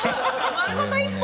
丸ごと１本。